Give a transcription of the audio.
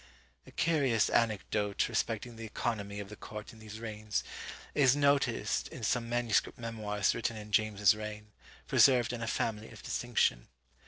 A curious anecdote, respecting the economy of the court in these reigns, is noticed in some manuscript memoirs written in James's reign, preserved in a family of distinction.